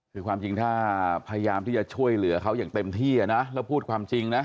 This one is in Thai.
คือความจริงถ้าพยายามที่จะช่วยเหลือเขาอย่างเต็มที่อ่ะนะแล้วพูดความจริงนะ